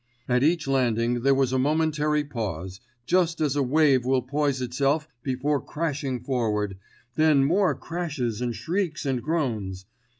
At each landing there was a momentary pause, just as a wave will poise itself before crashing forward, then more crashes and shrieks and groans.